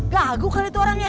gaguh kali itu orangnya